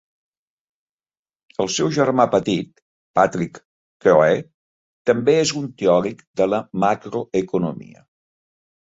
El seu germà petit, Patrick Kehoe, també és un teòric de la macroeconomia.